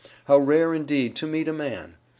How rare indeed to meet a man!